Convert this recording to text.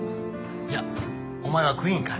いやお前はクイーンか。